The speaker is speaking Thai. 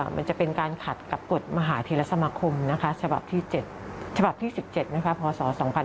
มันจะเป็นการขัดกับกฎมหาเถระสมาคมฉบับที่๑๗นะคะพศ๒๕๓๖